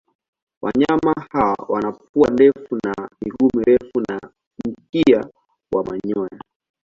Wanyama hawa wana pua ndefu na miguu mirefu na mkia wa manyoya.